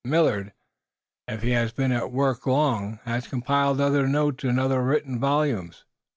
Millard, if he has been at work long, has compiled other notes in other written volumes.